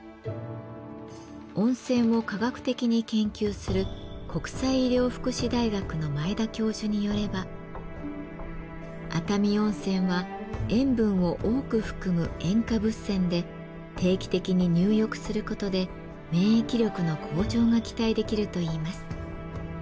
温泉を科学的に研究する国際医療福祉大学の前田教授によれば熱海温泉は塩分を多く含む塩化物泉で定期的に入浴することで免疫力の向上が期待できるといいます。